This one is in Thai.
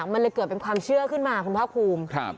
มันเลยเกิดเป็นความเชื่อขึ้นมาคุณภาคภูมิ